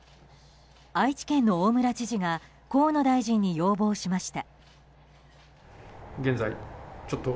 愛知県の大村知事が河野大臣に要望しました。